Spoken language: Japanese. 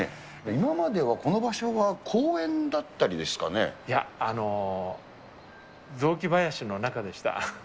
今まではこの場所は公園だっいや、雑木林の中でした。